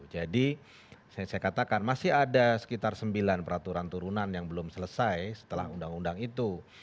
jadi saya katakan masih ada sekitar sembilan peraturan turunan yang belum selesai setelah undang undang itu